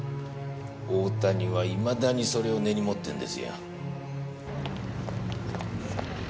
大谷はいまだにそれを根に持ってるんですよ。